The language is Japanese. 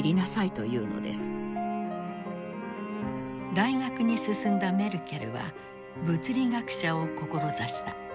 大学に進んだメルケルは物理学者を志した。